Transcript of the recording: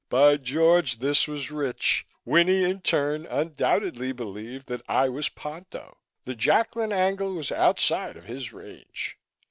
By George! this was rich. Winnie in turn undoubtedly believed that I was Ponto. The Jacklin angle was outside of his range.